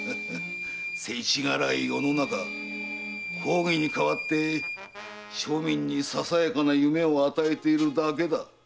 せちがらい世の中公儀に代わって庶民にささやかな夢を与えているだけだ。